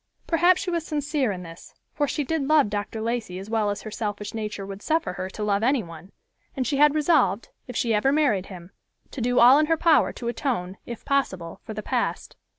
Perhaps she was sincere in this, for she did love Dr. Lacey as well as her selfish nature would suffer her to love any one, and she had resolved, if she ever married him, to do all in her power to atone, if possible, for the past.